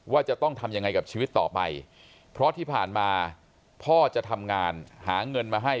จะต้องทำยังไงกับชีวิตต่อไปเพราะที่ผ่านมาพ่อจะทำงานหาเงินมาให้